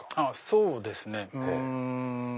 そうですねうん。